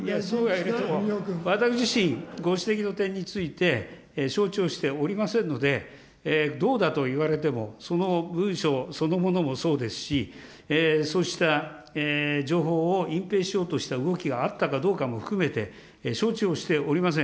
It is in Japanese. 私自身、ご指摘の点について、承知をしておりませんので、どうだと言われても、その文書そのものもそうですし、そうした情報を隠蔽しようとした動きがあったかどうかも含めて、承知をしておりません。